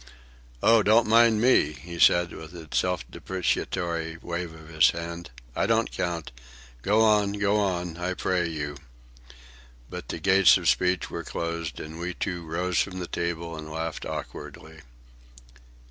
"Oh, don't mind me," he said, with a self depreciatory wave of his hand. "I don't count. Go on, go on, I pray you." But the gates of speech were closed, and we, too, rose from the table and laughed awkwardly.